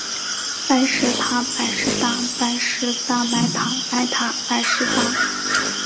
白石塔，白石搭。白石搭白塔，白塔白石搭